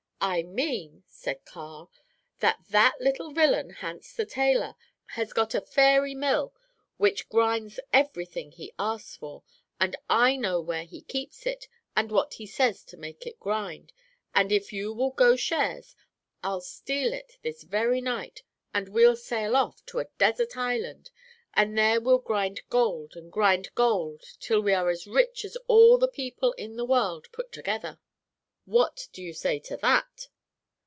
"'I mean,' said Carl, 'that that little villain, Hans the tailor, has got a fairy mill which grinds every thing he asks for, and I know where he keeps it, and what he says to make it grind, and if you will go shares, I'll steal it this very night, and we'll sail off to a desert island, and there we'll grind gold and grind gold till we are as rich as all the people in the world put together. What do you say to that?'